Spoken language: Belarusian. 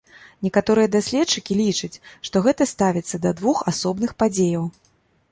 Некаторыя даследчыкі лічаць, што гэта ставіцца да двух асобных падзеяў.